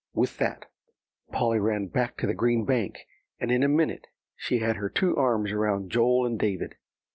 With that Polly ran back to the green bank, and in a minute she had her two arms around Joel and David.